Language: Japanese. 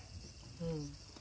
うん。